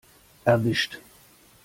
Erwischt!